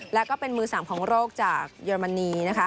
และก็เป็นมือสามของโลกจากเยอรมนี